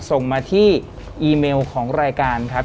ส่งมาที่อีเมลของรายการครับ